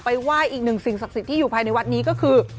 ไหว้อีกหนึ่งสิ่งศักดิ์สิทธิ์ที่อยู่ภายในวัดนี้ก็คือ